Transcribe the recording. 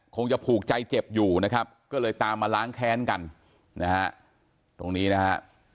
คงจะผูกใจเจ็บอยู่นะครับก็เลยตามมาล้างแค้นกันนะฮะตรงนี้นะฮะ